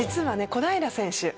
小平選手